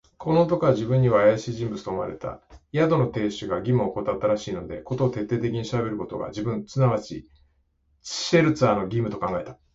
この男は自分にはあやしい人物と思われた。宿の亭主が義務をおこたったらしいので、事を徹底的に調べることが、自分、つまりシュワルツァーの義務と考えた。